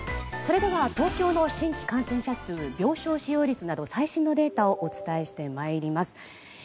それでは東京の新規感染者数病床使用率など最新のデータをお伝えして参ります。